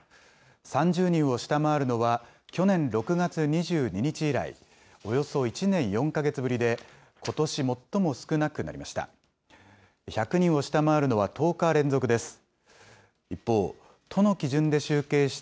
３０人を下回るのは、去年６月２２日以来、およそ１年４か月ぶりで、ことし最も少なくなりました。